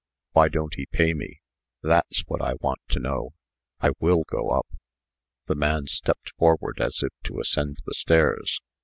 Why don't he pay me? that's what I want to know. I will go up." The man stepped forward, as if to ascend the stairs.